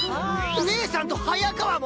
姉さんと早川も！？